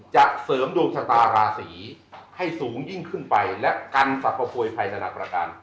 จะเสริมดวงชะตาราศีให้สูงยิ่งขึ้นไปและกันสรรพโพยภัยแต่ละประการ